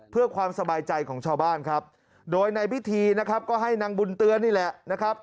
เพื่อความสบายใจของชาวบ้านครับโดยในพิธีนะครับก็ให้นางบุญเตือนนี่แหละนะครับ